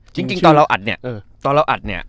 จริงตอนเราอัดเนี่ย